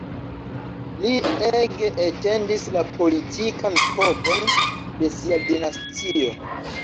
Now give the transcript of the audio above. Li ege etendis la politikan povon de sia dinastio.